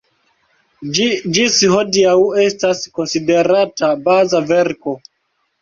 Ĝi ĝis hodiaŭ estas konsiderata baza verko.